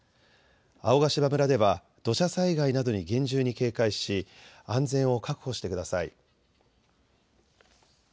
青ヶ島村では土砂災害などに厳重に警戒し安全を確保してください。